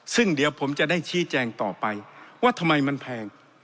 ซึ่งเดี๋ยวผมจะได้ชี้แจงต่อไปว่าทำไมมันแพง